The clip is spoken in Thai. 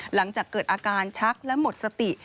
หลังจากเกิดอาการชักและหมดสติ